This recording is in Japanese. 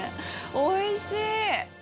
おいしい！